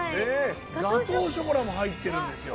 ガトーショコラも入ってるんですよ。